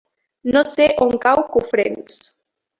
No sé on cau Cofrents.